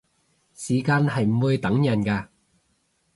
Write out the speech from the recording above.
時間係唔會等人嘅